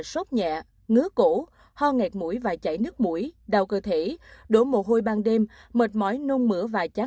sốt nhẹ ngứa cổ ho nghẹt mũi và chảy nước mũi đau cơ thể đổ mồ hôi ban đêm mệt mỏi nôn mửa và chán ăn